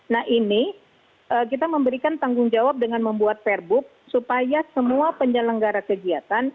nah ini kita memberikan tanggung jawab dengan membuat perbuk supaya semua penyelenggara kegiatan